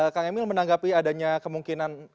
kang emil menanggapi adanya kemungkinan